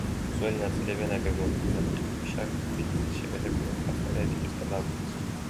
ძველი ნაწილები ნაგებია მოზრდილი ნატეხი ქვიშაქვით, შეკეთების დროს ნახმარია რიყის ქვა და აგურიც.